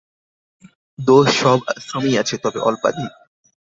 দোষ সব আশ্রমেই আছে, তবে অল্পাধিক।